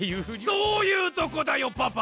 そういうとこだよパパ！